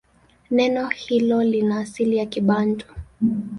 Neno hilo lina asili ya Kibantu.